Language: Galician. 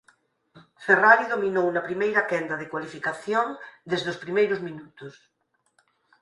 Ferrari dominou na primeira quenda da cualificación desde os primeiros minutos.